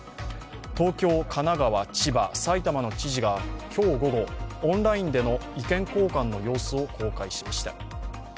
東京・神奈川・千葉・埼玉の知事が今日午後、オンラインでの意見交換の様子を公開しました。